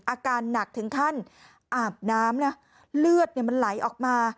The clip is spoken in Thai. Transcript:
อาการหนักถึงขั้นอาบน้ำนะเลือดมันไหลออกมา